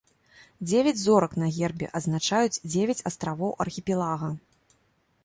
Дзевяць зорак на гербе азначаюць дзевяць астравоў архіпелага.